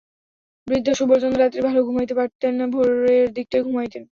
বৃদ্ধ সুবলচন্দ্র রাত্রে ভালো ঘুমাইতে পারিতেন না, ভোরের দিকটায় ঘুমাইতেন।